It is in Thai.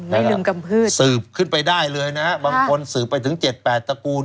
ไม่ลืมกำพืชสืบขึ้นไปได้เลยนะฮะบางคนสืบไปถึงเจ็ดแปดตระกูล